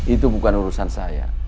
itu bukan urusan saya